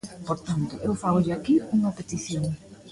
Por tanto, eu fágolle aquí unha petición.